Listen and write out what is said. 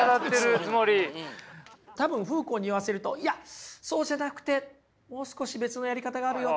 多分フーコーに言わせると「いやそうじゃなくてもう少し別のやり方があるよ」。